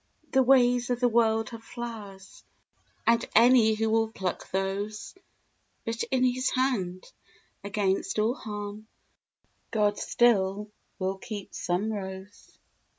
The ways of the world have flowers, And any who will pluck those; But in His hand, against all harm, God still will keep some rose.